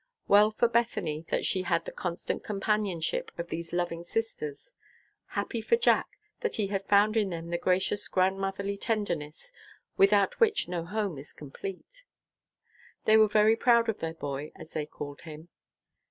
Well for Bethany that she had the constant companionship of these loving sisters. Happy for Jack that he found in them the gracious grandmotherly tenderness, without which no home is complete. They were very proud of their boy, as they called him.